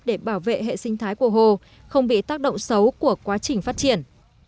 để bảo vệ hệ sinh thái của hồ không bị tác động xấu của quá trình phát triển